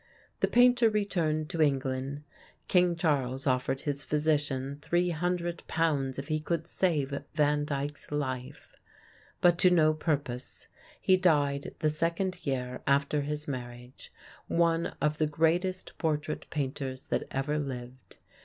The painter returned to England. King Charles offered his physician three hundred pounds if he could save Van Dyck's life; but to no purpose. He died the second year after his marriage, one of the greatest portrait painters that ever lived.